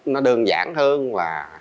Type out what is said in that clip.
nó đơn giản hơn là